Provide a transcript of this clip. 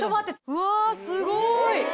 うわすごい！